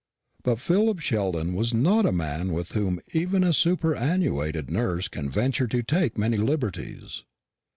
But Philip Sheldon was not a man with whom even a superannuated nurse can venture to take many liberties.